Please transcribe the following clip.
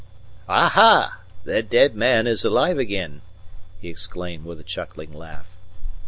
"Aha, the dead man is alive again!" he exclaimed, with a chuckling laugh.